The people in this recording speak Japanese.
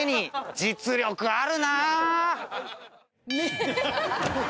実力あるなぁ。